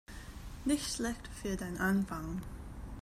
Nicht schlecht für den Anfang.